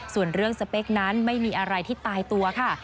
ส่วนเรื่องสเปคนั้นไม่มีอะไรที่ตายตัวค่ะ